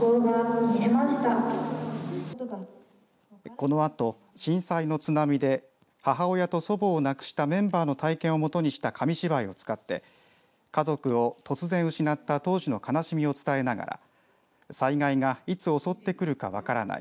このあと、震災の津波で母親と祖母を亡くしたメンバーの体験をもとにした紙芝居を使って家族を突然失った当時の悲しみを伝えながら災害がいつ襲ってくるか分からない。